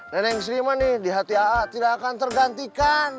neneng sri mah nih di hati aa tidak akan tergantikan